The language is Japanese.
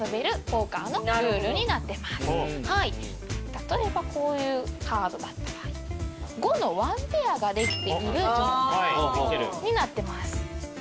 例えばこういうカードだったら５の１ペアができている状態になってます。